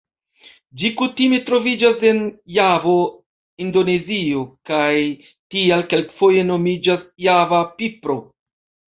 Ĝi kutime troviĝas en Javo Indonezio, kaj tial kelkfoje nomiĝas Java pipro.